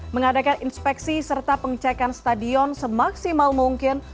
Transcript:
mengadakan inspeksi serta pengecekan stadion semaksimal mungkin